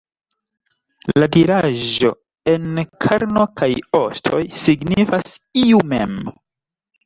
La diraĵo "en karno kaj ostoj" signifas "iu mem".